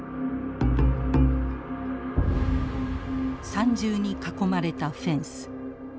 三重に囲まれたフェンス。